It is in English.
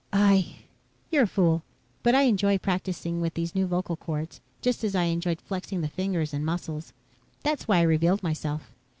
"I ..." "You're a fool, but I enjoy practicing with these new vocal chords, just as I enjoyed flexing the fingers and muscles. That's why I revealed myself.